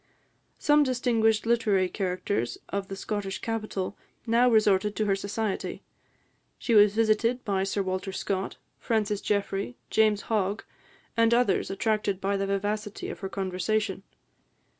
Some distinguished literary characters of the Scottish capital now resorted to her society. She was visited by Sir Walter Scott, Francis Jeffrey, James Hogg, and others, attracted by the vivacity of her conversation.